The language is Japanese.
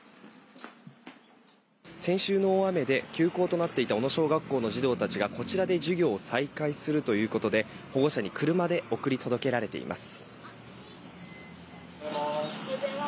先週の大雨で休校となっていた小野小学校の児童たちが、こちらで授業を再開するということで、保護者に車で送り届けられています。